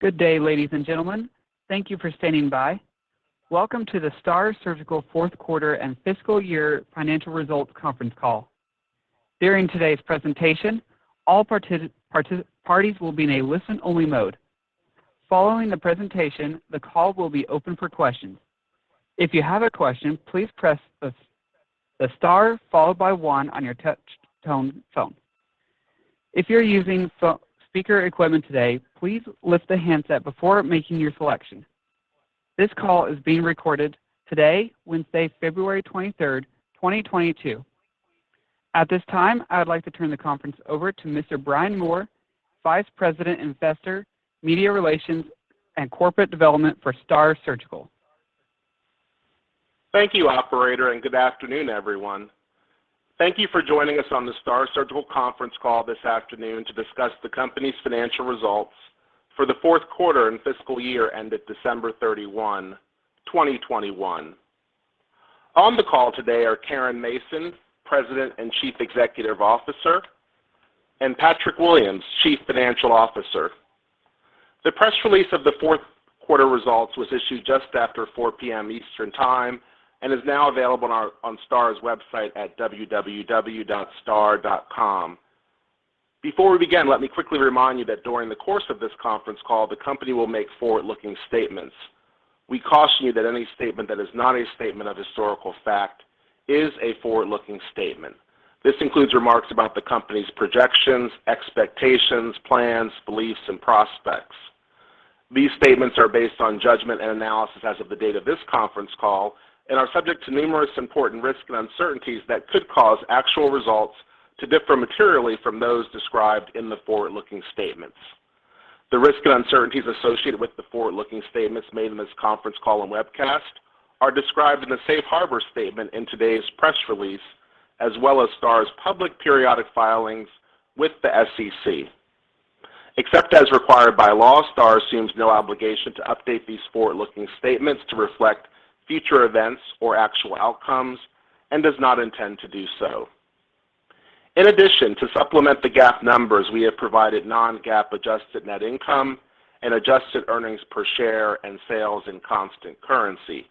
Good day, ladies and gentlemen. Thank you for standing by. Welcome to the STAAR Surgical Fourth Quarter and Fiscal Year Financial Results Conference Call. During today's presentation, all parties will be in a listen-only mode. Following the presentation, the call will be open for questions. If you have a question, please press the star followed by one on your touch tone phone. If you're using speaker equipment today, please lift the handset before making your selection. This call is being recorded today, Wednesday, February 23rd, 2022. At this time, I would like to turn the conference over to Mr. Brian Moore, Vice President, Investor Media Relations, and Corporate Development for STAAR Surgical. Thank you, operator, and good afternoon, everyone. Thank you for joining us on the STAAR Surgical conference call this afternoon to discuss the company's financial results for the fourth quarter and fiscal year ended December 31, 2021. On the call today are Caren Mason, President and Chief Executive Officer, and Patrick Williams, Chief Financial Officer. The press release of the fourth quarter results was issued just after 4 P.M. Eastern Time and is now available on STAAR's website at www.staar.com. Before we begin, let me quickly remind you that during the course of this conference call, the company will make forward-looking statements. We caution you that any statement that is not a statement of historical fact is a forward-looking statement. This includes remarks about the company's projections, expectations, plans, beliefs, and prospects. These statements are based on judgment and analysis as of the date of this conference call and are subject to numerous important risks and uncertainties that could cause actual results to differ materially from those described in the forward-looking statements. The risks and uncertainties associated with the forward-looking statements made in this conference call and webcast are described in the safe harbor statement in today's press release, as well as STAAR's public periodic filings with the SEC. Except as required by law, STAAR assumes no obligation to update these forward-looking statements to reflect future events or actual outcomes and does not intend to do so. In addition, to supplement the GAAP numbers, we have provided non-GAAP adjusted net income and adjusted earnings per share and sales in constant currency.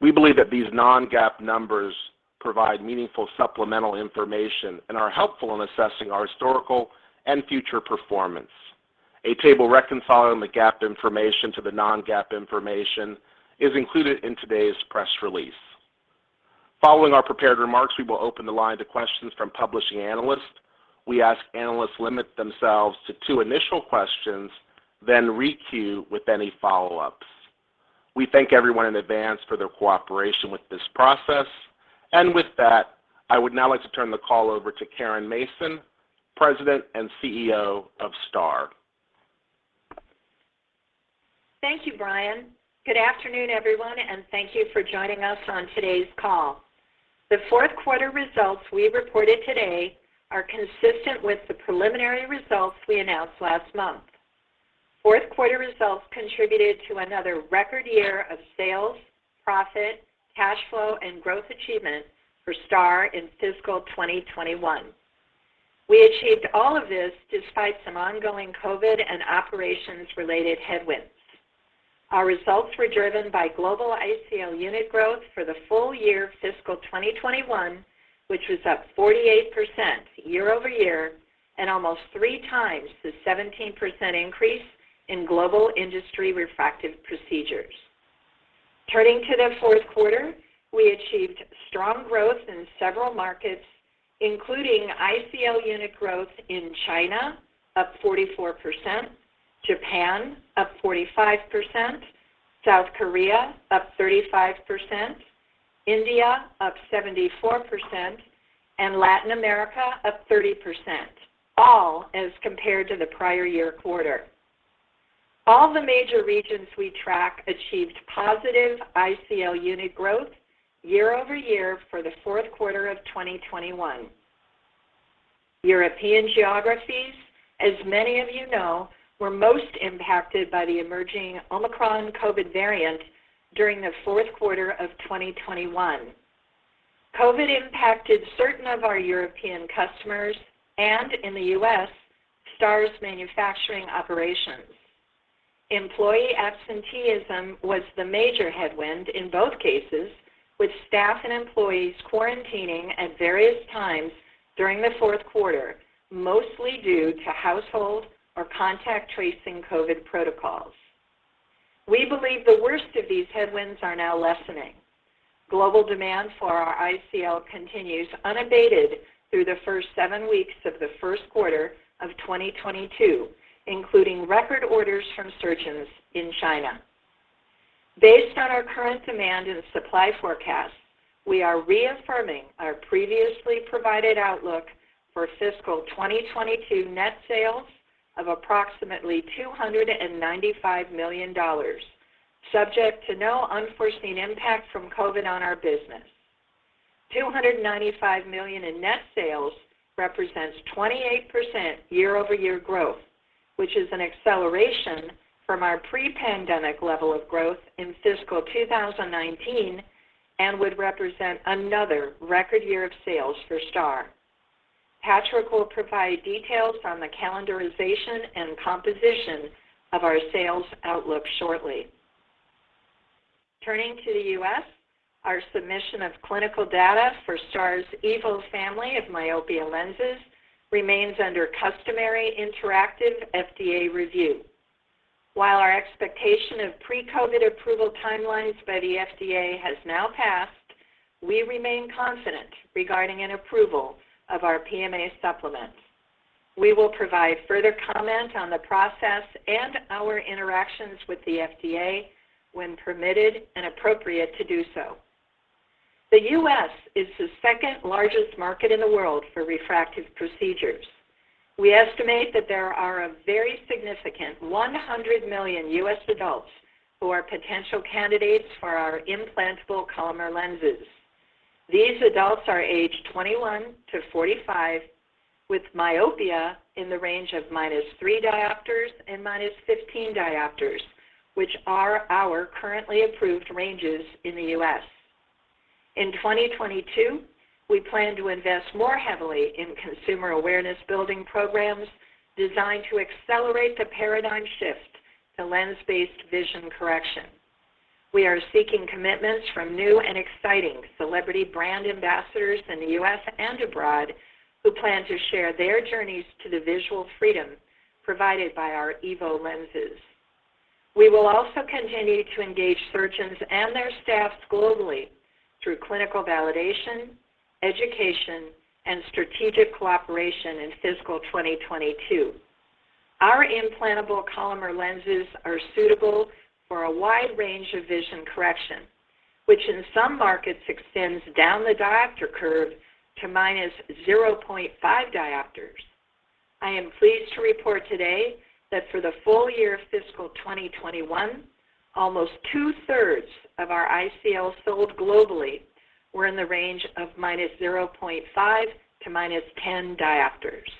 We believe that these non-GAAP numbers provide meaningful supplemental information and are helpful in assessing our historical and future performance. A table reconciling the GAAP information to the non-GAAP information is included in today's press release. Following our prepared remarks, we will open the line to questions from publishing analysts. We ask analysts limit themselves to two initial questions, then re-queue with any follow-ups. We thank everyone in advance for their cooperation with this process. With that, I would now like to turn the call over to Caren Mason, President and CEO of STAAR. Thank you, Brian. Good afternoon, everyone, and thank you for joining us on today's call. The fourth quarter results we reported today are consistent with the preliminary results we announced last month. Fourth quarter results contributed to another record year of sales, profit, cash flow, and growth achievement for STAAR in fiscal 2021. We achieved all of this despite some ongoing COVID and operations-related headwinds. Our results were driven by global ICL unit growth for the full year fiscal 2021, which was up 48% year over year and almost three times the 17% increase in global industry refractive procedures. Turning to the fourth quarter, we achieved strong growth in several markets, including ICL unit growth in China, up 44%, Japan, up 45%, South Korea, up 35%, India, up 74%, and Latin America, up 30%, all as compared to the prior year quarter. All the major regions we track achieved positive ICL unit growth year-over-year for the fourth quarter of 2021. European geographies, as many of you know, were most impacted by the emerging Omicron COVID variant during the fourth quarter of 2021. COVID impacted certain of our European customers and, in the U.S., STAAR's manufacturing operations. Employee absenteeism was the major headwind in both cases, with staff and employees quarantining at various times during the fourth quarter, mostly due to household or contact tracing COVID protocols. We believe the worst of these headwinds are now lessening. Global demand for our ICL continues unabated through the first seven weeks of the first quarter of 2022, including record orders from surgeons in China. Based on our current demand and supply forecast, we are reaffirming our previously provided outlook for fiscal 2022 net sales of approximately $295 million, subject to no unforeseen impact from COVID on our business. $295 million in net sales represents 28% year-over-year growth, which is an acceleration from our pre-pandemic level of growth in fiscal 2019 and would represent another record year of sales for STAAR. Patrick will provide details on the calendarization and composition of our sales outlook shortly. Turning to the U.S., our submission of clinical data for STAAR's EVO family of myopia lenses remains under customary interactive FDA review. While our expectation of pre-COVID approval timelines by the FDA has now passed, we remain confident regarding an approval of our PMA supplement. We will provide further comment on the process and our interactions with the FDA when permitted and appropriate to do so. The U.S. is the second-largest market in the world for refractive procedures. We estimate that there are a very significant 100 million U.S. adults who are potential candidates for our Implantable Collamer Lenses. These adults are aged 21 to 45 with myopia in the range of -3 diopters and -15 diopters, which are our currently approved ranges in the U.S. In 2022, we plan to invest more heavily in consumer awareness building programs designed to accelerate the paradigm shift to lens-based vision correction. We are seeking commitments from new and exciting celebrity brand ambassadors in the U.S. and abroad who plan to share their journeys to the visual freedom provided by our EVO lenses. We will also continue to engage surgeons and their staffs globally through clinical validation, education, and strategic cooperation in fiscal 2022. Our Implantable Collamer Lenses are suitable for a wide range of vision correction, which in some markets extends down the diopter curve to -0.5 diopters. I am pleased to report today that for the full year fiscal 2021, almost two-thirds of our ICL sold globally were in the range of -0.5 to -10 diopters.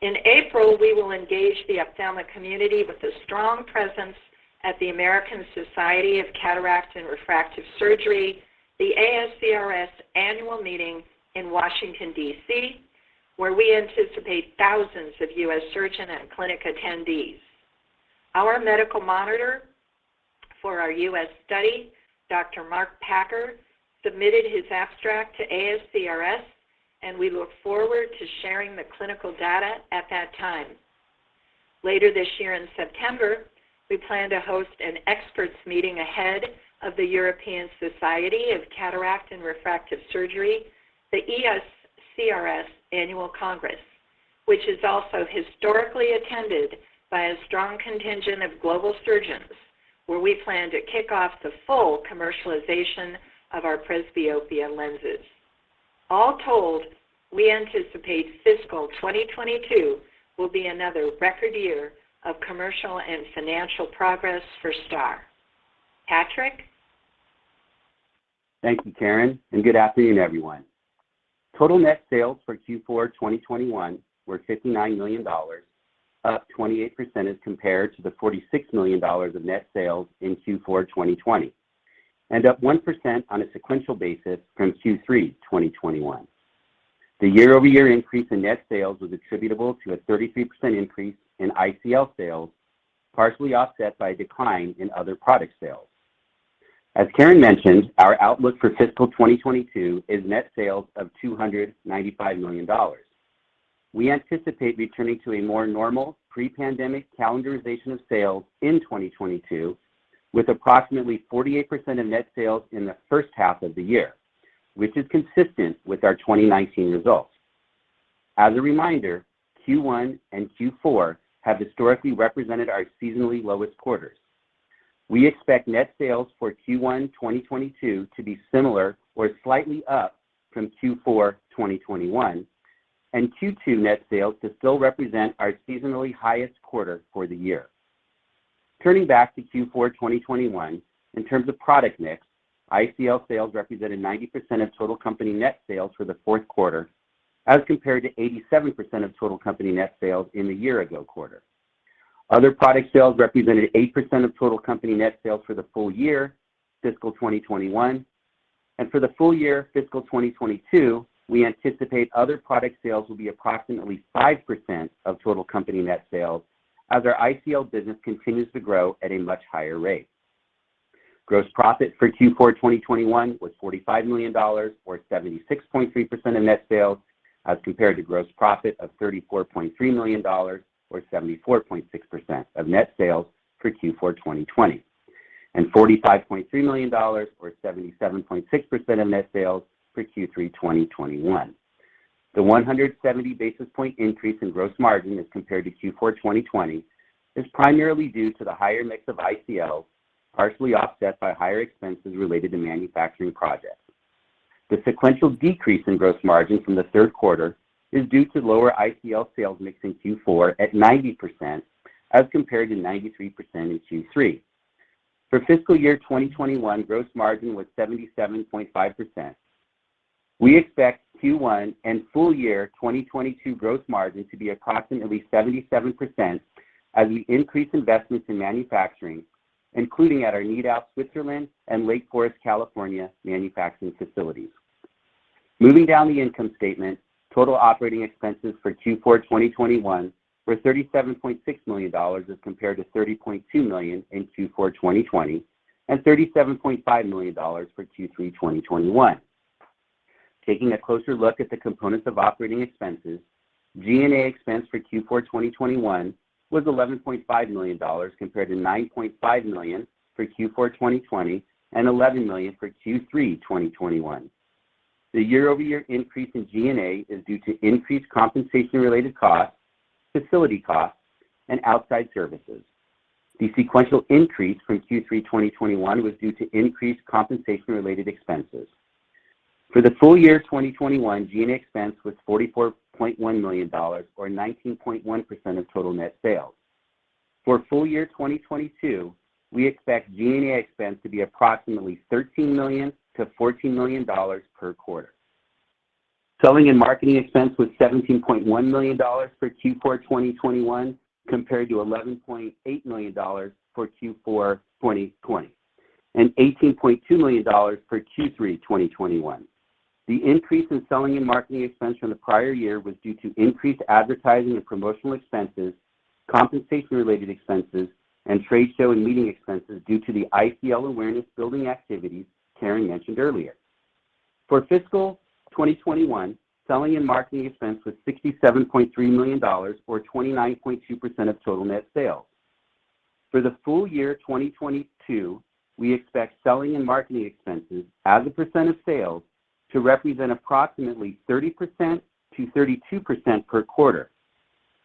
In April, we will engage the ophthalmic community with a strong presence at the American Society of Cataract and Refractive Surgery, the ASCRS Annual Meeting in Washington, D.C., where we anticipate thousands of U.S. surgeon and clinic attendees. Our medical monitor for our U.S. study, Dr. Mark Packer, submitted his abstract to ASCRS, and we look forward to sharing the clinical data at that time. Later this year in September, we plan to host an experts meeting ahead of the European Society of Cataract and Refractive Surgery, the ESCRS Annual Congress, which is also historically attended by a strong contingent of global surgeons, where we plan to kick off the full commercialization of our presbyopia lenses. All told, we anticipate fiscal 2022 will be another record year of commercial and financial progress for STAAR. Patrick? Thank you, Caren, and good afternoon, everyone. Total net sales for Q4 2021 were $59 million, up 28% as compared to the $46 million of net sales in Q4 2020, and up 1% on a sequential basis from Q3 2021. The year-over-year increase in net sales was attributable to a 33% increase in ICL sales, partially offset by a decline in other product sales. As Caren mentioned, our outlook for fiscal 2022 is net sales of $295 million. We anticipate returning to a more normal pre-pandemic calendarization of sales in 2022, with approximately 48% of net sales in the first half of the year, which is consistent with our 2019 results. As a reminder, Q1 and Q4 have historically represented our seasonally lowest quarters. We expect net sales for Q1 2022 to be similar or slightly up from Q4 2021 and Q2 net sales to still represent our seasonally highest quarter for the year. Turning back to Q4 2021, in terms of product mix, ICL sales represented 90% of total company net sales for the fourth quarter as compared to 87% of total company net sales in the year-ago quarter. Other product sales represented 8% of total company net sales for the full year, fiscal 2021. For the full year fiscal 2022, we anticipate other product sales will be approximately 5% of total company net sales as our ICL business continues to grow at a much higher rate. Gross profit for Q4 2021 was $45 million or 76.3% of net sales as compared to gross profit of $34.3 million or 74.6% of net sales for Q4 2020, and $45.3 million or 77.6% of net sales for Q3 2021. The 170 basis point increase in gross margin as compared to Q4 2020 is primarily due to the higher mix of ICL, partially offset by higher expenses related to manufacturing projects. The sequential decrease in gross margin from the third quarter is due to lower ICL sales mix in Q4 at 90% as compared to 93% in Q3. For fiscal year 2021, gross margin was 77.5%. We expect Q1 and full year 2022 gross margin to be approximately 77%. As we increase investments in manufacturing, including at our Nidau, Switzerland, and Lake Forest, California manufacturing facilities. Moving down the income statement, total operating expenses for Q4 2021 were $37.6 million as compared to $30.2 million in Q4 2020, and $37.5 million for Q3 2021. Taking a closer look at the components of operating expenses, G&A expense for Q4 2021 was $11.5 million compared to $9.5 million for Q4 2020 and $11 million for Q3 2021. The year-over-year increase in G&A is due to increased compensation-related costs, facility costs, and outside services. The sequential increase from Q3 2021 was due to increased compensation-related expenses. For the full year 2021, G&A expense was $44.1 million or 19.1% of total net sales. For full year 2022, we expect G&A expense to be approximately $13 million-$14 million per quarter. Selling and marketing expense was $17.1 million for Q4 2021 compared to $11.8 million for Q4 2020 and $18.2 million for Q3 2021. The increase in selling and marketing expense from the prior year was due to increased advertising and promotional expenses, compensation-related expenses, and trade show and meeting expenses due to the ICL awareness-building activities Caren mentioned earlier. For fiscal 2021, selling and marketing expense was $67.3 million, or 29.2% of total net sales. For the full year 2022, we expect selling and marketing expenses as a percent of sales to represent approximately 30%-32% per quarter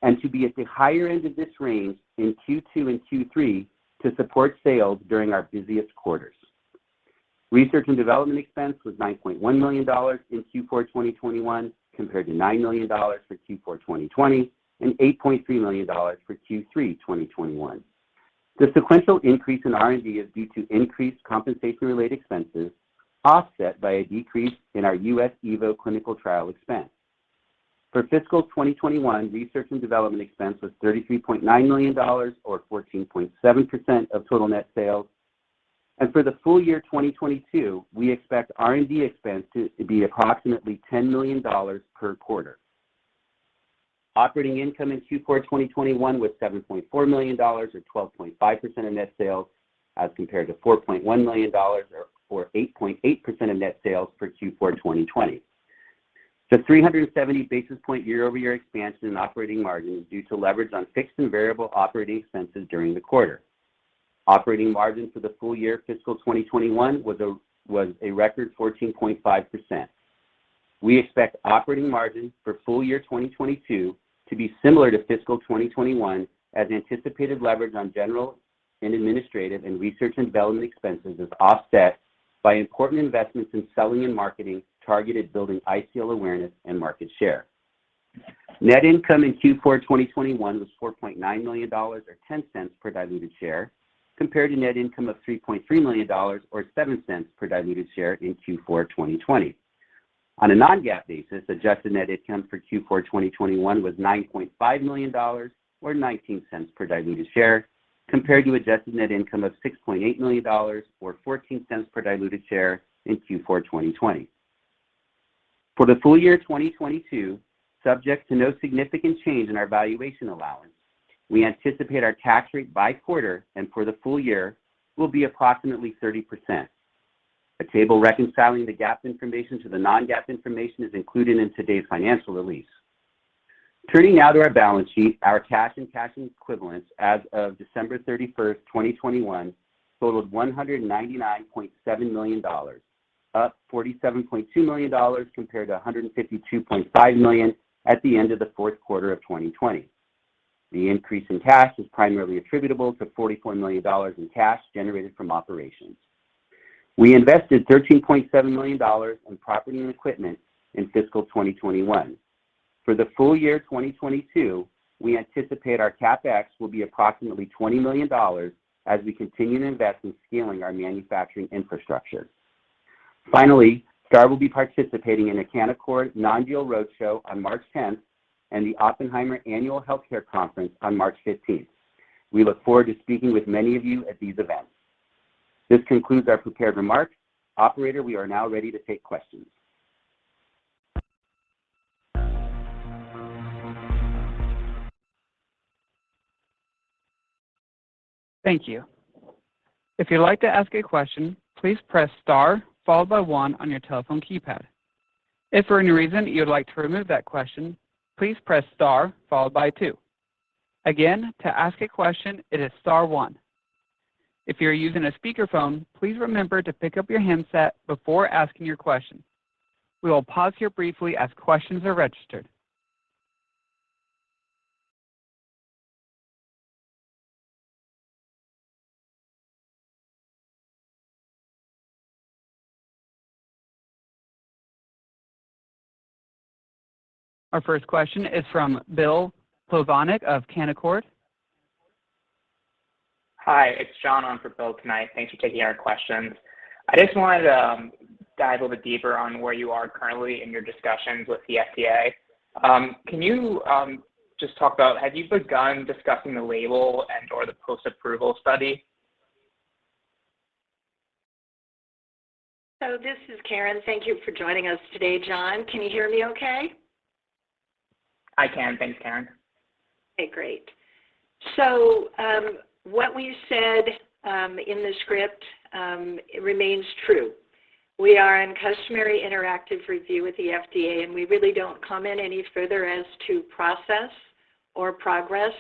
and to be at the higher end of this range in Q2 and Q3 to support sales during our busiest quarters. Research and development expense was $9.1 million in Q4 2021 compared to $9 million for Q4 2020 and $8.3 million for Q3 2021. The sequential increase in R&D is due to increased compensation-related expenses offset by a decrease in our U.S. EVO clinical trial expense. For fiscal 2021, research and development expense was $33.9 million or 14.7% of total net sales. For the full year 2022, we expect R&D expense to be approximately $10 million per quarter. Operating income in Q4 2021 was $7.4 million or 12.5% of net sales, as compared to $4.1 million or 8.8% of net sales for Q4 2020. The 370 basis point year-over-year expansion in operating margin was due to leverage on fixed and variable operating expenses during the quarter. Operating margin for the full year fiscal 2021 was a record 14.5%. We expect operating margin for full year 2022 to be similar to fiscal 2021, as anticipated leverage on general and administrative and research and development expenses is offset by important investments in selling and marketing targeted building ICL awareness and market share. Net income in Q4 2021 was $4.9 million or $0.10 per diluted share, compared to net income of $3.3 million or $0.07 per diluted share in Q4 2020. On a non-GAAP basis, adjusted net income for Q4 2021 was $9.5 million or $0.19 per diluted share, compared to adjusted net income of $6.8 million or $0.14 per diluted share in Q4 2020. For the full year 2022, subject to no significant change in our valuation allowance, we anticipate our tax rate by quarter and for the full year will be approximately 30%. A table reconciling the GAAP information to the non-GAAP information is included in today's financial release. Turning now to our balance sheet, our cash and cash equivalents as of December 31, 2021 totaled $199.7 million, up $47.2 million compared to $152.5 million at the end of the fourth quarter of 2020. The increase in cash is primarily attributable to $44 million in cash generated from operations. We invested $13.7 million in property and equipment in fiscal 2021. For the full year 2022, we anticipate our CapEx will be approximately $20 million as we continue to invest in scaling our manufacturing infrastructure. Finally, STAAR will be participating in a Canaccord non-deal roadshow on March 10 and the Oppenheimer Annual Healthcare Conference on March 15. We look forward to speaking with many of you at these events. This concludes our prepared remarks. Operator, we are now ready to take questions. Our first question is from Bill Plovanic of Canaccord. Hi, it's John on for Bill tonight. Thanks for taking our questions. I just wanted to dive a little bit deeper on where you are currently in your discussions with the FDA. Can you just talk about have you begun discussing the label and/or the post-approval study? This is Caren. Thank you for joining us today, John. Can you hear me okay? I can. Thanks, Caren. Okay, great. What we said in the script remains true. We are in customary interactive review with the FDA, and we really don't comment any further as to process or progress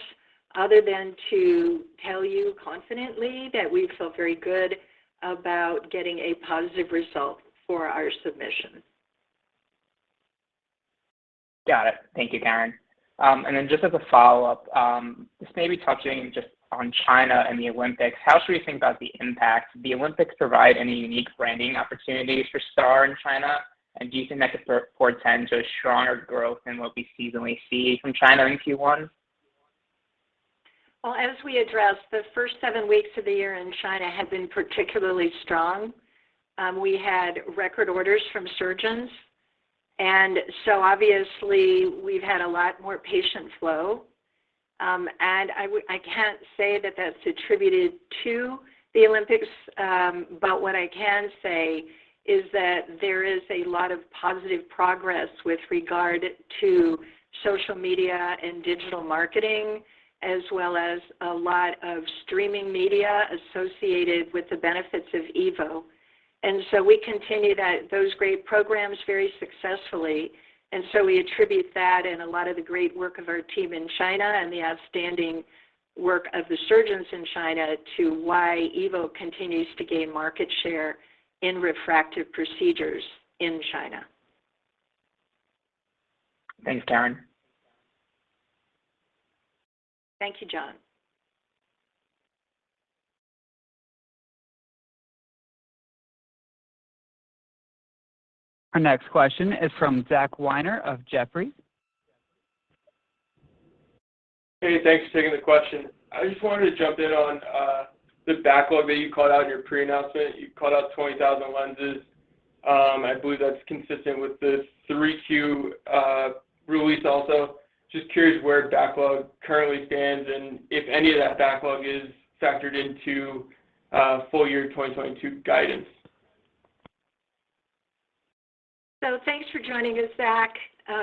other than to tell you confidently that we feel very good about getting a positive result for our submission. Got it. Thank you, Caren. Just as a follow-up, this may be touching just on China and the Olympics. How should we think about the impact? Do the Olympics provide any unique branding opportunities for STAAR in China? Do you think that could portend to a stronger growth than what we seasonally see from China in Q1? Well, as we addressed, the first seven weeks of the year in China had been particularly strong. We had record orders from surgeons, and so obviously we've had a lot more patient flow. I can't say that that's attributed to the Olympics, but what I can say is that there is a lot of positive progress with regard to social media and digital marketing, as well as a lot of streaming media associated with the benefits of EVO. We continue those great programs very successfully. We attribute that and a lot of the great work of our team in China and the outstanding work of the surgeons in China to why EVO continues to gain market share in refractive procedures in China. Thanks, Caren. Thank you, John. Our next question is from Zach Weiner of Jefferies. Hey, thanks for taking the question. I just wanted to jump in on the backlog that you called out in your preliminary announcement. You called out 20,000 lenses. I believe that's consistent with the Q3 release also. Just curious where backlog currently stands, and if any of that backlog is factored into full year 2022 guidance. Thanks for joining us, Zach.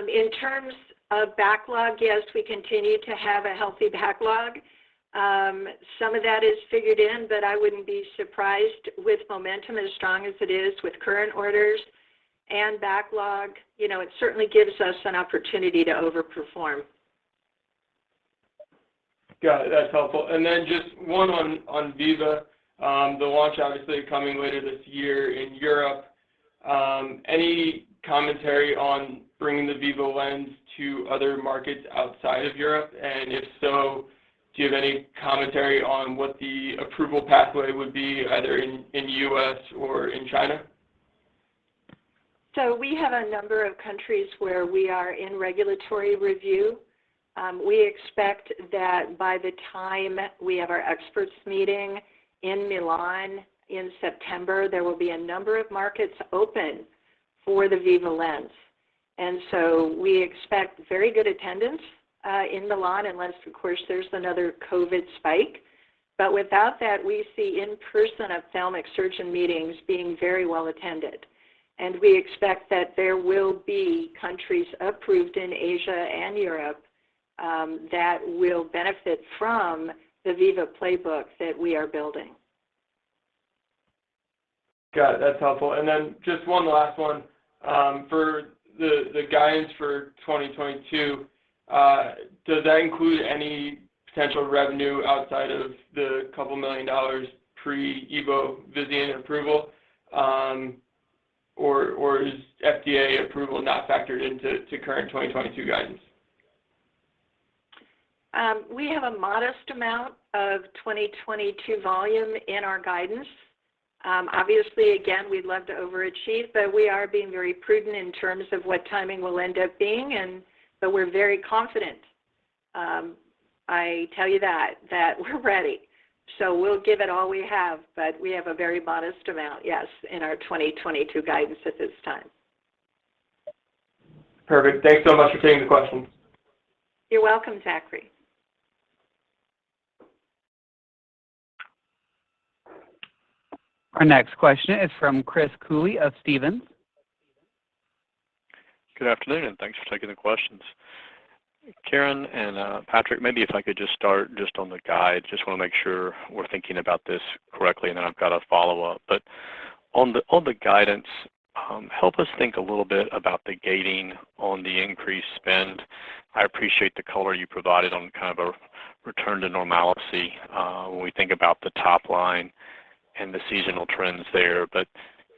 In terms of backlog, yes, we continue to have a healthy backlog. Some of that is figured in, but I wouldn't be surprised with momentum as strong as it is with current orders and backlog. You know, it certainly gives us an opportunity to overperform. Got it. That's helpful. Just one on Viva. The launch obviously coming later this year in Europe. Any commentary on bringing the Viva lens to other markets outside of Europe? If so, do you have any commentary on what the approval pathway would be either in the U.S. or in China? We have a number of countries where we are in regulatory review. We expect that by the time we have our experts meeting in Milan in September, there will be a number of markets open for the Viva lens. We expect very good attendance in Milan, unless of course there's another COVID spike. Without that, we see in-person ophthalmic surgeon meetings being very well attended. We expect that there will be countries approved in Asia and Europe that will benefit from the Viva playbook that we are building. Got it. That's helpful. Just one last one. For the guidance for 2022, does that include any potential revenue outside of the $2 million pre-EVO Visian approval, or is FDA approval not factored into the current 2022 guidance? We have a modest amount of 2022 volume in our guidance. Obviously, again, we'd love to overachieve, but we are being very prudent in terms of what timing will end up being, but we're very confident. I tell you that we're ready. We'll give it all we have, but we have a very modest amount, yes, in our 2022 guidance at this time. Perfect. Thanks so much for taking the questions. You're welcome, Zach. Our next question is from Chris Cooley of Stephens. Good afternoon, and thanks for taking the questions. Caren and Patrick, maybe if I could just start on the guidance, just wanna make sure we're thinking about this correctly, and then I've got a follow-up. On the guidance, help us think a little bit about the gating on the increased spend. I appreciate the color you provided on kind of a return to normalcy, when we think about the top line and the seasonal trends there.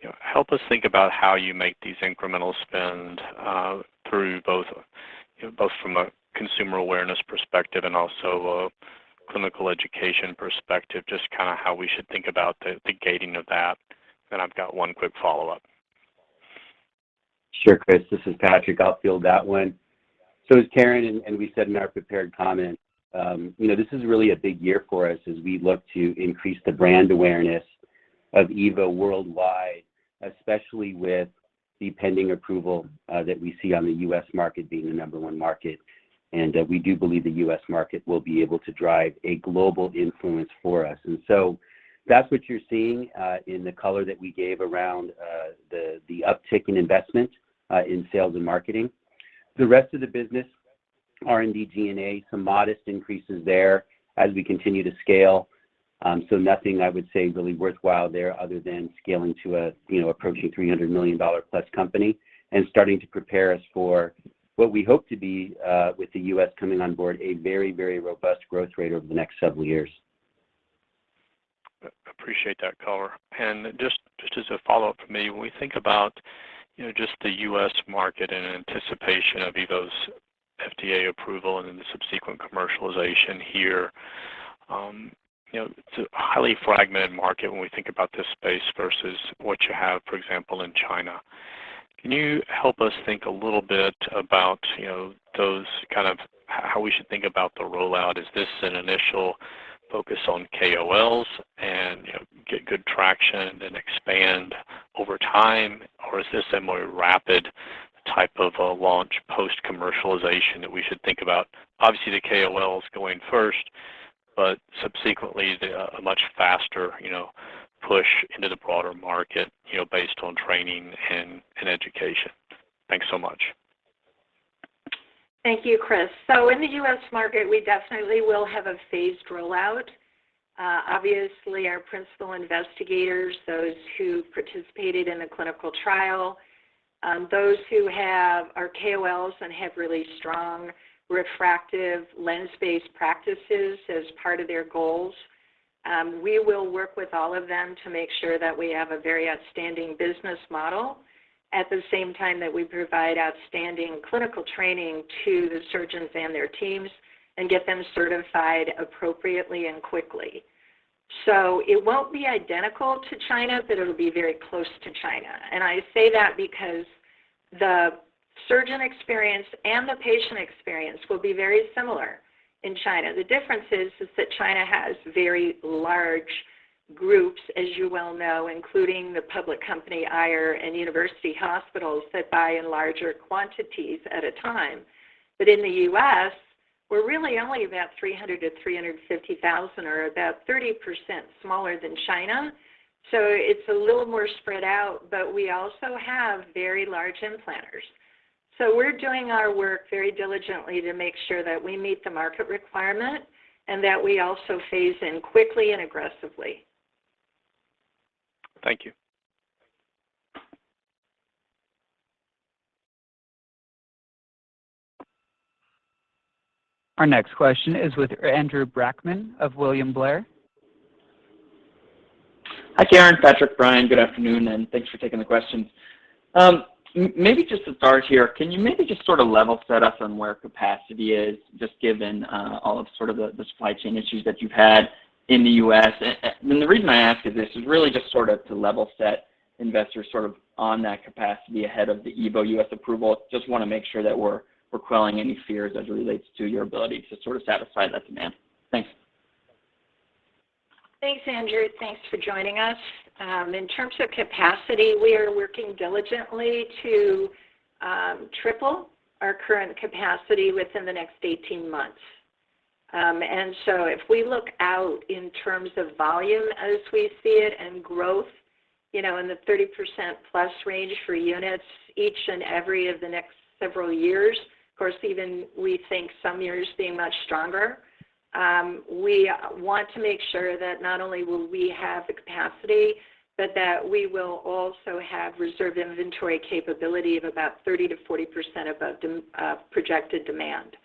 You know, help us think about how you make these incremental spend, through both from a consumer awareness perspective and also a clinical education perspective, just kinda how we should think about the gating of that. I've got one quick follow-up. Sure, Chris. This is Patrick. I'll field that one. As Caren and we said in our prepared comments, you know, this is really a big year for us as we look to increase the brand awareness of EVO worldwide, especially with the pending approval that we see on the U.S. market being the number one market. We do believe the U.S. market will be able to drive a global influence for us. That's what you're seeing in the color that we gave around the uptick in investment in sales and marketing. The rest of the business, R&D, G&A, some modest increases there as we continue to scale. Nothing I would say really worthwhile there other than scaling to a, you know, approaching a $300 million-plus company and starting to prepare us for what we hope to be, with the U.S. coming on board, a very, very robust growth rate over the next several years. Appreciate that color. Just as a follow-up for me, when we think about, you know, just the U.S. market in anticipation of EVO's FDA approval and then the subsequent commercialization here, you know, it's a highly fragmented market when we think about this space versus what you have, for example, in China. Can you help us think a little bit about, you know, those kind of how we should think about the rollout? Is this an initial focus on KOLs and, you know, get good traction and expand over time? Or is this a more rapid type of launch post-commercialization that we should think about? Obviously, the KOLs going first, but subsequently the a much faster, you know, push into the broader market, you know, based on training and education. Thanks so much. Thank you, Chris. In the U.S. market, we definitely will have a phased rollout. Obviously our principal investigators, those who participated in the clinical trial, those who are KOLs and have really strong refractive lens-based practices as part of their goals. We will work with all of them to make sure that we have a very outstanding business model at the same time that we provide outstanding clinical training to the surgeons and their teams and get them certified appropriately and quickly. It won't be identical to China, but it'll be very close to China. I say that because the surgeon experience and the patient experience will be very similar in China. The difference is that China has very large groups, as you well know, including the public company, Aier, and university hospitals that buy in larger quantities at a time. In the U.S., we're really only about 300-350 thousand, or about 30% smaller than China. It's a little more spread out, but we also have very large implanters. We're doing our work very diligently to make sure that we meet the market requirement and that we also phase in quickly and aggressively. Thank you. Our next question is with Andrew Brackmann of William Blair. Hi, Caren, Patrick, Brian, good afternoon, and thanks for taking the questions. Maybe just to start here, can you maybe just sort of level set us on where capacity is, just given all of sort of the supply chain issues that you've had in the U.S.? The reason I ask is this is really just sort of to level set investors sort of on that capacity ahead of the EVO U.S. approval. Just wanna make sure that we're quelling any fears as it relates to your ability to sort of satisfy that demand. Thanks. Thanks, Andrew. Thanks for joining us. In terms of capacity, we are working diligently to triple our current capacity within the next 18 months. If we look out in terms of volume as we see it and growth, you know, in the 30%+ range for units each and every of the next several years, of course, even we think some years being much stronger, we want to make sure that not only will we have the capacity, but that we will also have reserve inventory capability of about 30%-40% above projected demand.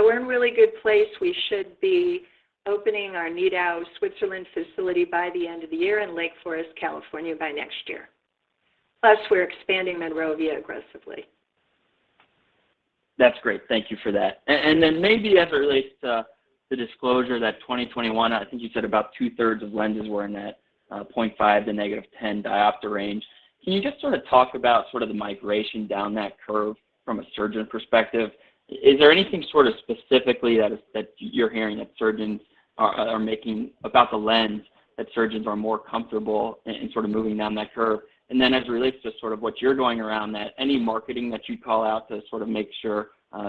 We're in a really good place. We should be opening our Nidau, Switzerland facility by the end of the year and Lake Forest, California by next year. Plus, we're expanding Monrovia aggressively. That's great. Thank you for that. Maybe as it relates to the disclosure that 2021, I think you said about two-thirds of lenses were in that 0.5 to -10 diopter range. Can you just sort of talk about sort of the migration down that curve from a surgeon perspective? Is there anything sort of specifically that is that you're hearing that surgeons are making about the lens that surgeons are more comfortable in sort of moving down that curve? As it relates to sort of what you're doing around that, any marketing that you'd call out to sort of make sure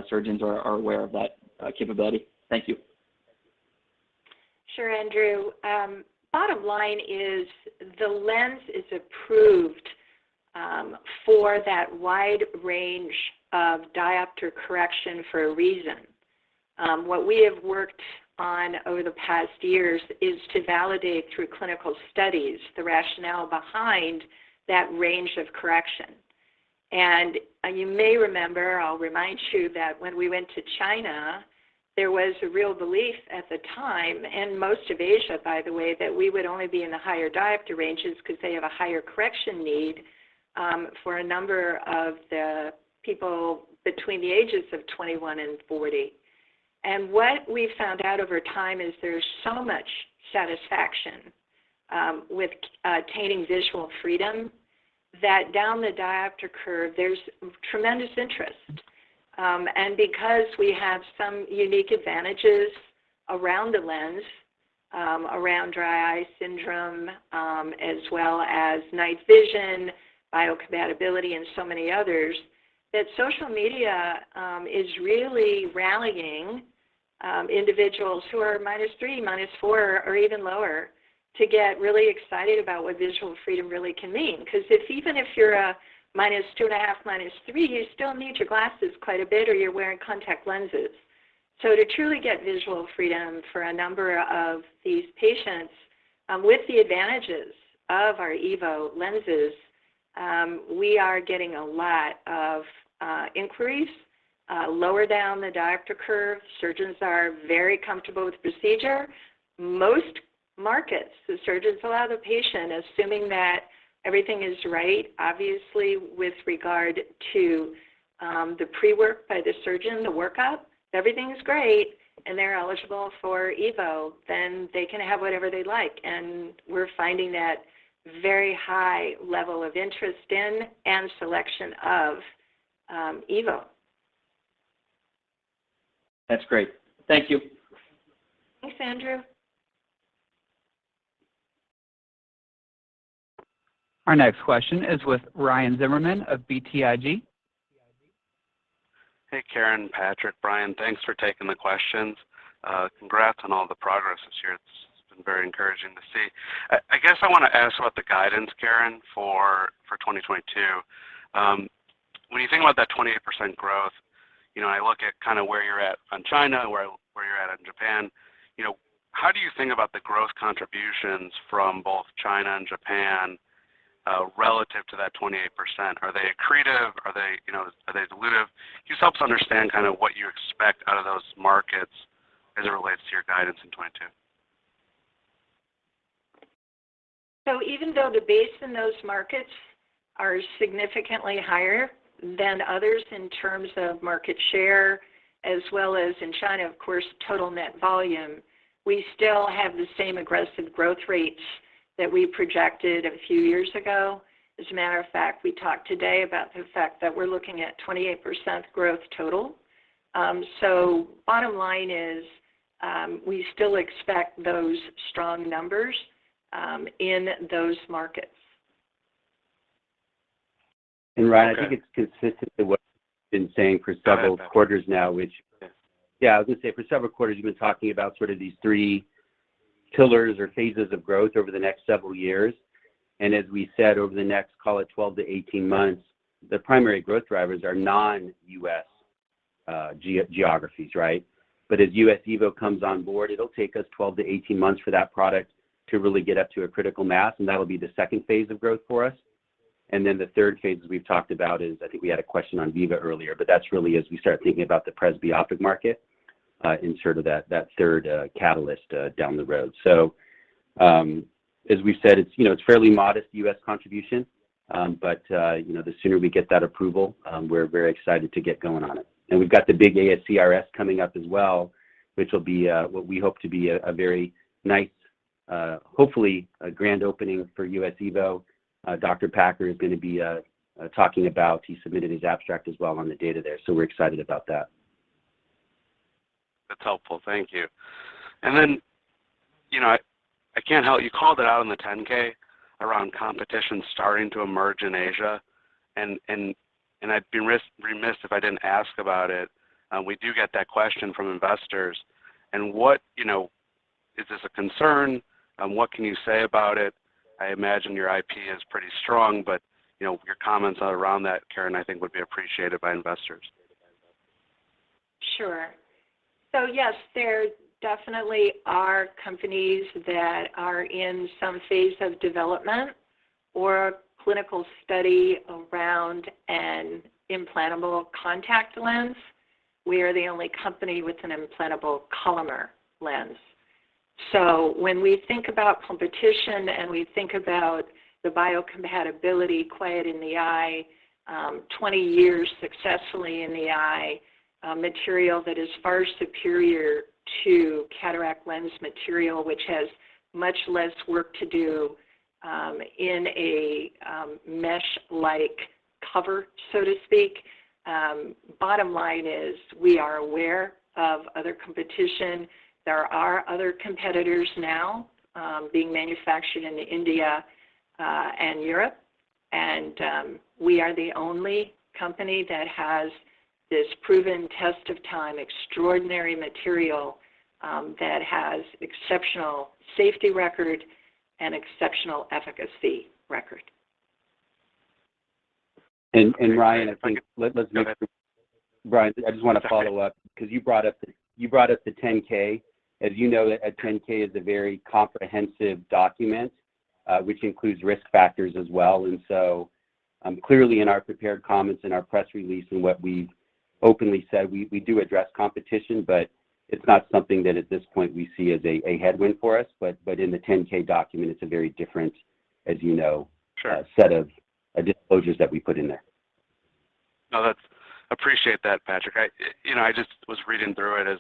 surgeons are aware of that capability? Thank you. Sure, Andrew. Bottom line is the lens is approved for that wide range of diopter correction for a reason. What we have worked on over the past years is to validate through clinical studies the rationale behind that range of correction. You may remember, I'll remind you that when we went to China, there was a real belief at the time, and most of Asia, by the way, that we would only be in the higher diopter ranges because they have a higher correction need for a number of the people between the ages of 21 and 40. What we've found out over time is there's so much satisfaction with attaining visual freedom that down the diopter curve, there's tremendous interest. Because we have some unique advantages around the lens, around dry eye syndrome, as well as night vision, biocompatibility, and so many others that social media is really rallying individuals who are -3, -4, or even lower to get really excited about what visual freedom really can mean. Because even if you're a -2.5, -3, you still need your glasses quite a bit or you're wearing contact lenses. To truly get visual freedom for a number of these patients, with the advantages of our EVO lenses, we are getting a lot of inquiries lower down the diopter curve. Surgeons are very comfortable with the procedure. Most markets, the surgeons allow the patient, assuming that everything is right, obviously, with regard to, the pre-work by the surgeon, the workup, if everything's great and they're eligible for EVO, then they can have whatever they like. We're finding that very high level of interest in and selection of, EVO. That's great. Thank you. Thanks, Andrew. Our next question is with Ryan Zimmerman of BTIG. Hey, Caren, Patrick. Brian. Thanks for taking the questions. Congrats on all the progress this year. It's been very encouraging to see. I guess I wanna ask about the guidance, Caren, for 2022. When you think about that 28% growth, you know, I look at kinda where you're at on China, where you're at in Japan, you know, how do you think about the growth contributions from both China and Japan relative to that 28%? Are they accretive? Are they, you know, are they dilutive? Can you just help us understand kind of what you expect out of those markets as it relates to your guidance in 2022? Even though the base in those markets are significantly higher than others in terms of market share, as well as in China, of course, total net volume, we still have the same aggressive growth rates that we projected a few years ago. As a matter of fact, we talked today about the fact that we're looking at 28% growth total. Bottom line is, we still expect those strong numbers in those markets. Ryan, I think it's consistent with what we've been saying for several quarters now. Yeah, I was gonna say for several quarters, we've been talking about sort of these three pillars or phases of growth over the next several years. As we said over the next, call it 12-18 months, the primary growth drivers are non-U.S. geographies, right? As U.S. EVO comes on board, it'll take us 12-18 months for that product to really get up to a critical mass, and that'll be the second phase of growth for us. Then the third phase we've talked about is, I think we had a question on Viva earlier, but that's really as we start thinking about the presbyopic market in sort of that third catalyst down the road. As we said, it's, you know, it's fairly modest U.S. contribution, but, you know, the sooner we get that approval, we're very excited to get going on it. We've got the big ASCRS coming up as well, which will be what we hope to be a very nice, hopefully a grand opening for U.S. EVO. Dr. Packer is gonna be talking about, he submitted his abstract as well on the data there, so we're excited about that. That's helpful. Thank you. You know, I can't help. You called it out in the 10-K around competition starting to emerge in Asia, and I'd be remiss if I didn't ask about it. We do get that question from investors. What. You know, is this a concern, and what can you say about it? I imagine your IP is pretty strong, but, you know, your comments around that, Caren, I think would be appreciated by investors. Sure. Yes, there definitely are companies that are in some phase of development or clinical study around an implantable contact lens. We are the only company with an Implantable Collamer Lens. When we think about competition, and we think about the biocompatibility required in the eye, 20 years successfully in the eye, a material that is far superior to cataract lens material, which has much less work to do, in a mesh-like cover, so to speak. Bottom line is we are aware of other competition. There are other competitors now being manufactured in India and Europe. We are the only company that has this proven test of time, extraordinary material that has exceptional safety record and exceptional efficacy record. Ryan, I think let's make. Go ahead. Ryan, I just wanna follow up because you brought up the 10-K. As you know, a 10-K is a very comprehensive document which includes risk factors as well. Clearly in our prepared comments in our press release and what we've openly said, we do address competition, but it's not something that at this point we see as a headwind for us. But in the 10-K document, it's a very different, as you know. Sure. Set of disclosures that we put in there. No, appreciate that, Patrick. You know, I just was reading through it as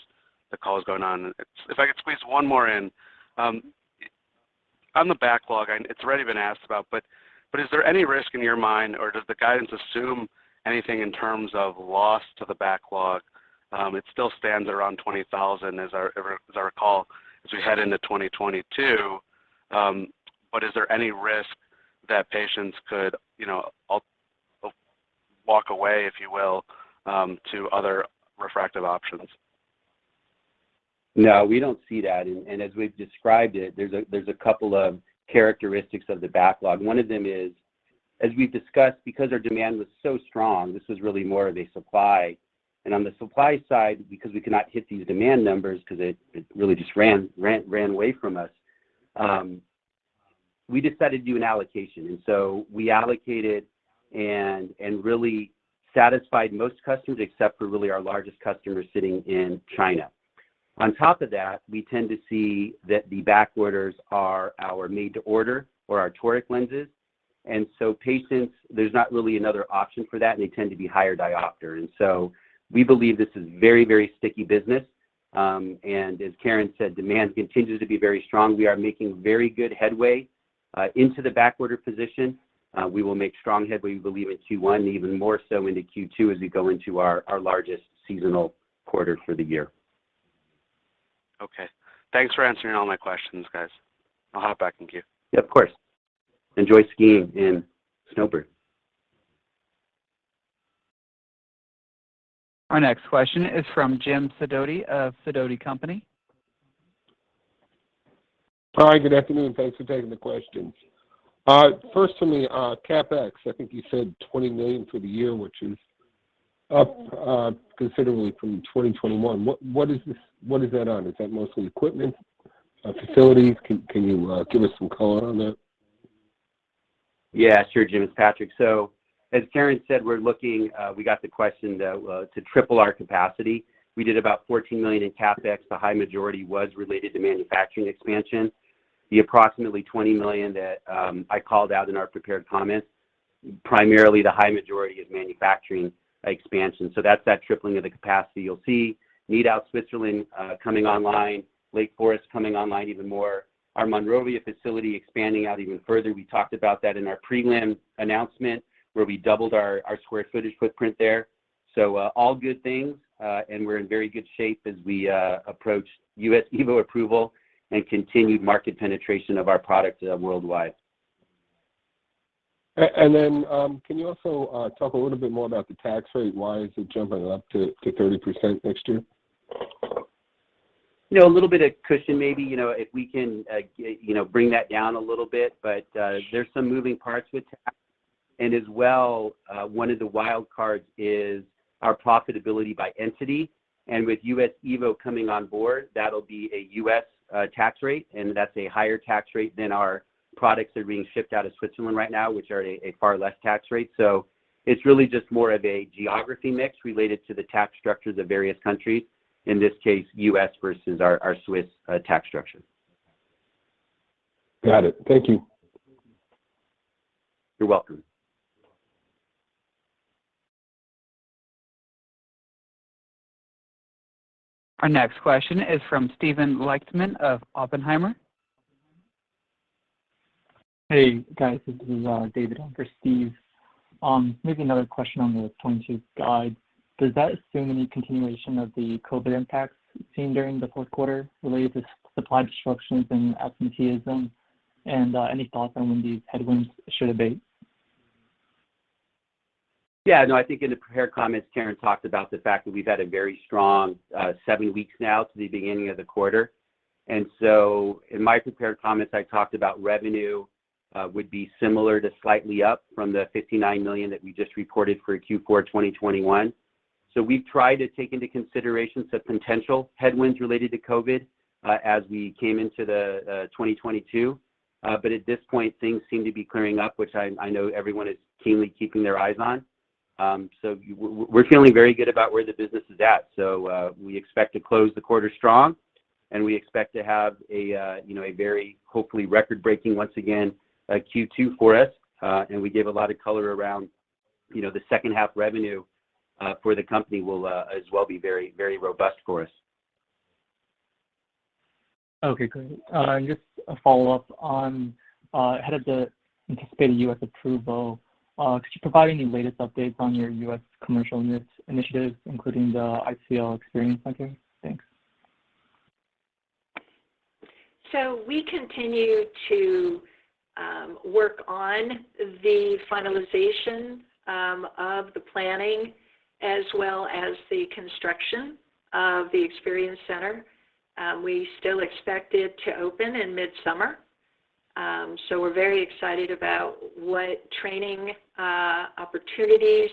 the call was going on. If I could squeeze one more in. On the backlog, it's already been asked about, but is there any risk in your mind or does the guidance assume anything in terms of loss to the backlog? It still stands around 20,000, as I recall, as we head into 2022. Is there any risk that patients could, you know, walk away, if you will, to other refractive options? No, we don't see that. As we've described it, there's a couple of characteristics of the backlog. One of them is, as we've discussed, because our demand was so strong, this was really more of a supply. On the supply side, because we could not hit these demand numbers because it really just ran away from us, we decided to do an allocation. We allocated and really satisfied most customers, except for really our largest customer sitting in China. On top of that, we tend to see that the back orders are our made to order or our toric lenses. Patients, there's not really another option for that, and they tend to be higher diopter. We believe this is very sticky business. As Caren said, demand continues to be very strong. We are making very good headway into the back order position. We will make strong headway, we believe in Q1, even more so into Q2 as we go into our largest seasonal quarter for the year. Okay. Thanks for answering all my questions, guys. I'll hop back in queue. Yeah, of course. Enjoy skiing in Snowbird. Our next question is from Jim Sidoti of Sidoti & Company. Hi, good afternoon. Thanks for taking the questions. First for me, CapEx, I think you said $20 million for the year, which is up considerably from 2021. What is that on? Is that mostly equipment, facilities? Can you give us some color on that? Yeah, sure, Jim. It's Patrick. As Caren said, we're looking, we got the question to triple our capacity. We did about $14 million in CapEx. The high majority was related to manufacturing expansion. The approximately $20 million that I called out in our prepared comments, primarily the high majority is manufacturing expansion. That's that tripling of the capacity. You'll see Nidau, Switzerland, coming online, Lake Forest coming online even more. Our Monrovia facility expanding out even further. We talked about that in our preliminary announcement, where we doubled our square footage footprint there. All good things, and we're in very good shape as we approach U.S. EVO approval and continued market penetration of our product worldwide. Can you also talk a little bit more about the tax rate? Why is it jumping up to 30% next year? You know, a little bit of cushion maybe, you know, if we can, you know, bring that down a little bit. There's some moving parts with tax. As well, one of the wild cards is our profitability by entity. With U.S. EVO coming on board, that'll be a U.S. tax rate, and that's a higher tax rate than our products that are being shipped out of Switzerland right now, which are at a far less tax rate. It's really just more of a geography mix related to the tax structures of various countries, in this case, U.S. versus our Swiss tax structure. Got it. Thank you. You're welcome. Our next question is from Steven Lichtman of Oppenheimer. Hey, guys. This is David on for Steve. Maybe another question on the 2022 guide. Does that assume any continuation of the COVID impacts seen during the fourth quarter related to supply disruptions and absenteeism? Any thoughts on when these headwinds should abate? Yeah. No, I think in the prepared comments, Caren talked about the fact that we've had a very strong seven weeks now to the beginning of the quarter. In my prepared comments, I talked about revenue would be similar to slightly up from the $59 million that we just reported for Q4 2021. We've tried to take into consideration some potential headwinds related to COVID as we came into the 2022. At this point, things seem to be clearing up, which I know everyone is keenly keeping their eyes on. We're feeling very good about where the business is at. We expect to close the quarter strong, and we expect to have a you know, a very hopefully record-breaking once again Q2 for us. We gave a lot of color around, you know, the second half revenue for the company will as well be very, very robust for us. Okay, great. Just a follow-up on ahead of the anticipated U.S. approval, could you provide any latest updates on your U.S. commercial initiative, including the EVO Experience Center? Thanks. We continue to work on the finalization of the planning as well as the construction of the Experience Center. We still expect it to open in mid-summer. We're very excited about what training opportunities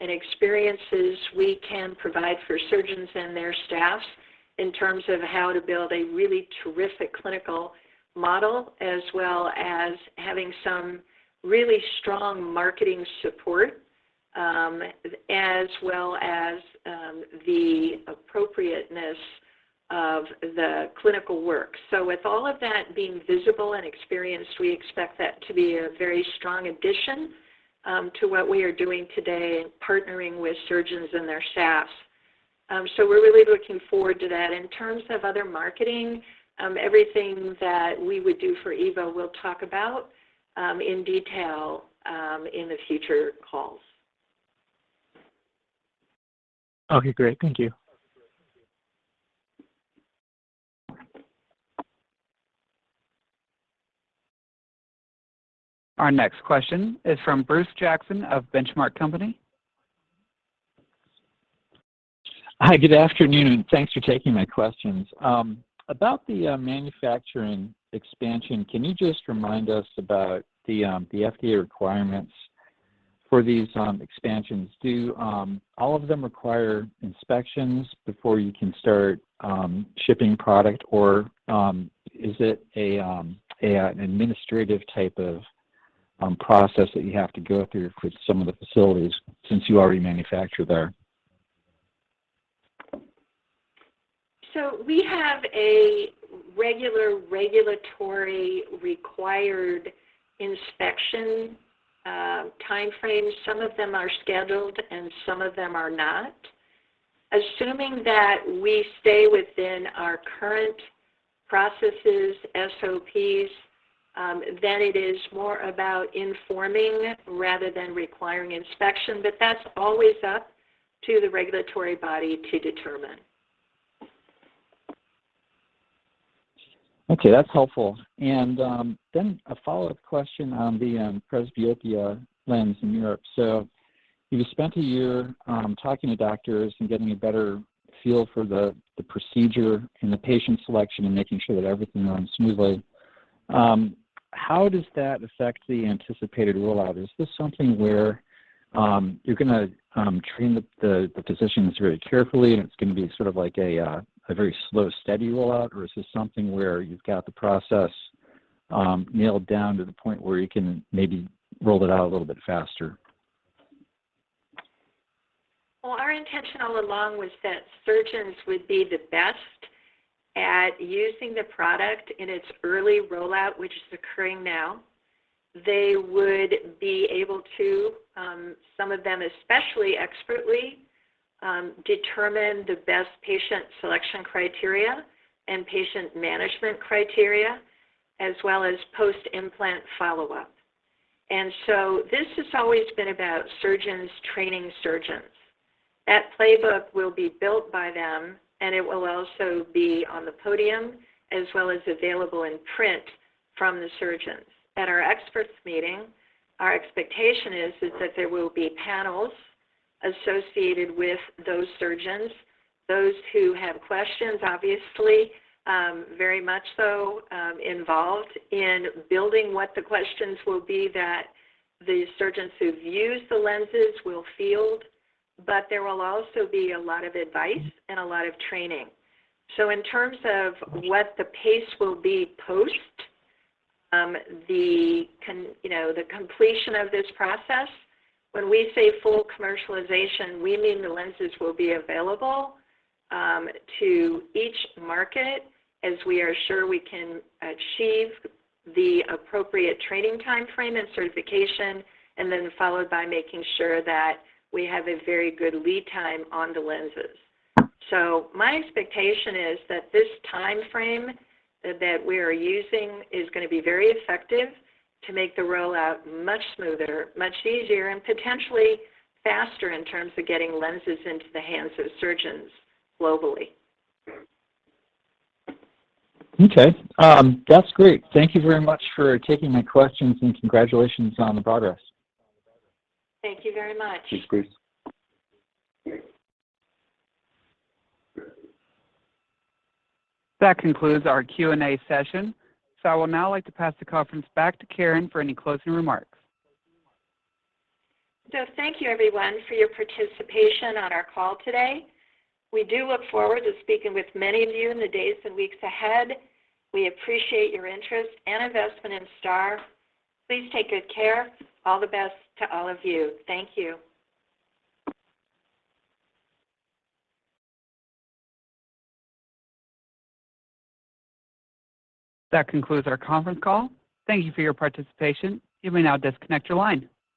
and experiences we can provide for surgeons and their staffs in terms of how to build a really terrific clinical model, as well as having some really strong marketing support, as well as the appropriateness- Of the clinical work. With all of that being visible and experienced, we expect that to be a very strong addition to what we are doing today in partnering with surgeons and their staffs. We're really looking forward to that. In terms of other marketing, everything that we would do for EVO, we'll talk about in detail in the future calls. Okay, great. Thank you. Our next question is from Bruce Jackson of Benchmark Company. Hi, good afternoon, and thanks for taking my questions. About the manufacturing expansion, can you just remind us about the FDA requirements for these expansions? Do all of them require inspections before you can start shipping product? Is it an administrative type of process that you have to go through for some of the facilities since you already manufacture there? We have a regular regulatory required inspection time frame. Some of them are scheduled, and some of them are not. Assuming that we stay within our current processes, SOPs, then it is more about informing rather than requiring inspection. But that's always up to the regulatory body to determine. Okay, that's helpful. Then a follow-up question on the presbyopia lens in Europe. You spent a year talking to doctors and getting a better feel for the procedure and the patient selection and making sure that everything runs smoothly. How does that affect the anticipated rollout? Is this something where you're gonna train the physicians very carefully, and it's gonna be sort of like a very slow, steady rollout? Is this something where you've got the process nailed down to the point where you can maybe roll it out a little bit faster? Well, our intention all along was that surgeons would be the best at using the product in its early rollout, which is occurring now. They would be able to, some of them especially expertly, determine the best patient selection criteria and patient management criteria as well as post-implant follow-up. This has always been about surgeons training surgeons. That playbook will be built by them, and it will also be on the podium as well as available in print from the surgeons. At our experts meeting, our expectation is that there will be panels associated with those surgeons. Those who have questions, obviously, very much so, involved in building what the questions will be that the surgeons who've used the lenses will field, but there will also be a lot of advice and a lot of training. In terms of what the pace will be post the completion of this process, You know, when we say full commercialization, we mean the lenses will be available to each market as we are sure we can achieve the appropriate training time frame and certification, and then followed by making sure that we have a very good lead time on the lenses. My expectation is that this time frame that we are using is gonna be very effective to make the rollout much smoother, much easier, and potentially faster in terms of getting lenses into the hands of surgeons globally. Okay. That's great. Thank you very much for taking my questions, and congratulations on the progress. Thank you very much. That concludes our Q&A session, so I would now like to pass the conference back to Caren for any closing remarks. Thank you everyone for your participation on our call today. We do look forward to speaking with many of you in the days and weeks ahead. We appreciate your interest and investment in STAAR. Please take good care. All the best to all of you. Thank you. That concludes our conference call. Thank you for your participation. You may now disconnect your line.